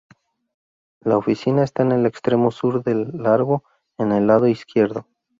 La oficina está en el extremo sur del largo en el lado izquierdo.